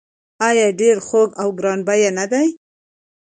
آیا ډیر خوږ او ګران بیه نه دي؟